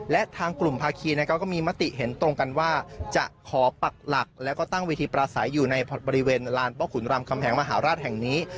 และทางกลุ่มภาคีนะครับก็มีมติเห็นตรงกันว่าจะขอปักหลักแล้วก็ตั้งเวทีปราศัยอยู่ในบริเวณลานพ่อขุนรำคำแหงมหาราชแห่งนี้